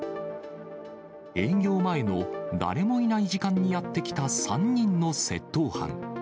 営業前の誰もいない時間にやって来た３人の窃盗犯。